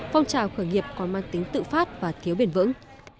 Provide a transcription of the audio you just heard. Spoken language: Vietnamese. phong trào khởi nghiệp còn mang tính tự phát và thiếu bền vững